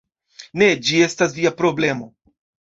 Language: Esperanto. Ne, ĝi estas via problemo